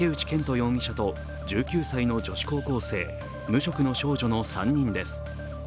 容疑者と１９歳の女子高校生、無職の少女の３人です。